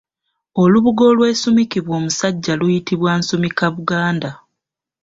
Olubugo olwesumikibwa omusajja luyitibwa Nsumikabuganda.